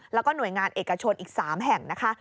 แล้วก็หน่วยงานเอกชนอีก๓แห่งนะคะ